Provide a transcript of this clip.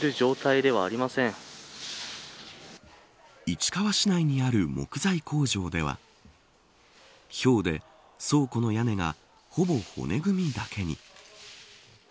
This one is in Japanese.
市川市内にある木材工場ではひょうで倉庫の屋根がほぼ骨組みだけに。